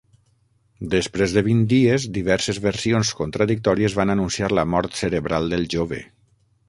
Després de vint dies, diverses versions contradictòries van anunciar la mort cerebral del jove.